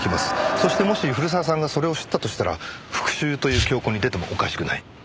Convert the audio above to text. そしてもし古澤さんがそれを知ったとしたら復讐という凶行に出てもおかしくない。